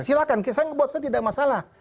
silahkan saya ngebosnya tidak masalah